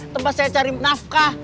tempat saya cari nafkah